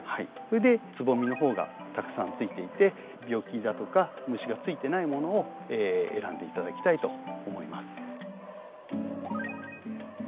それでつぼみの方がたくさんついていて病気だとか虫がついてないものを選んで頂きたいと思います。